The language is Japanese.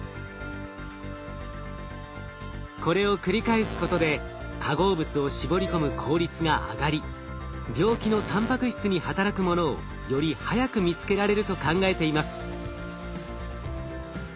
これを繰り返すことで化合物を絞り込む効率が上がり病気のたんぱく質に働くものをより早く見つけられると考えています。